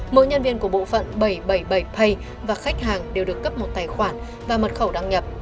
mỗi nhân viên của bộ phận bảy trăm bảy mươi bảy pay và khách hàng đều được cấp một tài khoản và mật khẩu đăng nhập